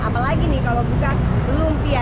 apalagi nih kalau buka lumpia